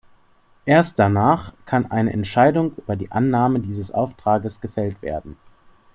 Erst danach kann eine Entscheidung über die Annahme dieses Auftrages gefällt werden.